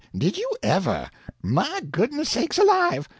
"Did you ever!" "My goodness sakes alive!"